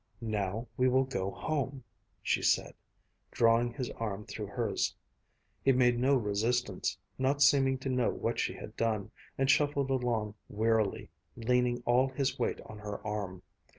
"Now we will go home," she said, drawing his arm through hers. He made no resistance, not seeming to know what she had done, and shuffled along wearily, leaning all his weight on her arm.